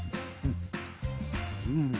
うん。